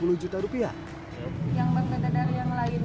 yang berbeda dari yang lain itu cilok gorengnya